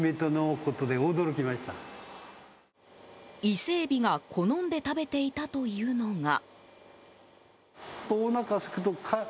イセエビが好んで食べていたというのが。